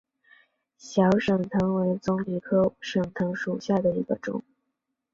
小省藤为棕榈科省藤属下的一个种。